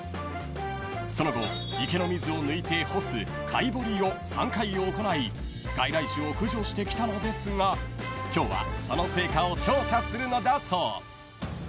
［その後池の水を抜いて干すかいぼりを３回行い外来種を駆除してきたのですが今日はその成果を調査するのだそう］